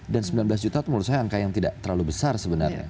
dan sembilan belas juta menurut saya angka yang tidak terlalu besar sebenarnya